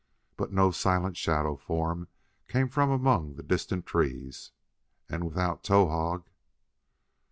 But no silent shadow form came from among the distant trees. And without Towahg